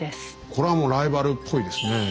これはもうライバルっぽいですねえ。